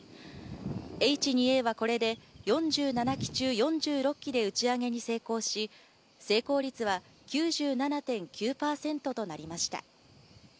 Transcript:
Ｈ２Ａは、これで４７機中４６機で打ち上げに成功し成功率は９７．９％となりました。